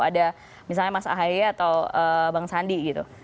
ada misalnya mas ahaye atau bang sandi gitu